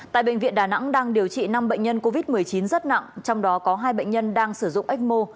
tại bệnh viện đà nẵng đang điều trị năm bệnh nhân covid một mươi chín rất nặng trong đó có hai bệnh nhân đang sử dụng ecmo